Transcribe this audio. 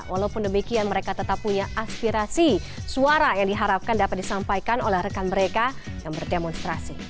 walaupun demikian mereka tetap punya aspirasi suara yang diharapkan dapat disampaikan oleh rekan mereka yang berdemonstrasi